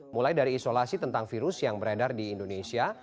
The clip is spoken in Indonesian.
mulai dari isolasi tentang virus yang beredar di indonesia